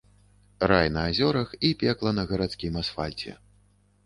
Рай на азёрах і пекла на гарадскім асфальце.